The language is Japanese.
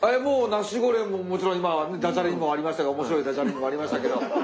ナシゴレンももちろん今ダジャレにもありましたけど面白いダジャレにもありましたけど。